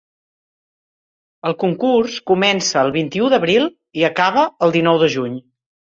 El concurs comença el vint-i-u d'abril i acaba el dinou de juny.